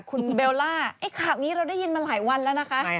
คุณเบลล่าไอ้ข่าวนี้เราได้ยินมาหลายวันแล้วนะคะ